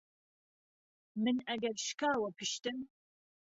من ئەگەر شکاوە پشتم